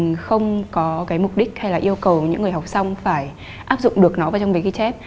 mình không có cái mục đích hay là yêu cầu những người học xong phải áp dụng được nó vào trong vgchap